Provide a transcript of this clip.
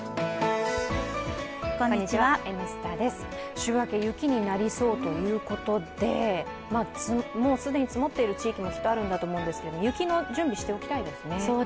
週明け、雪になりそうということでもう既に積もっている地域もあると思うんですけれども、雪の準備しておきたいですね。